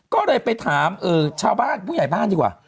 ก็เลยไปถามชาวบ้านผู้ใหญ่บ้านดีกว่า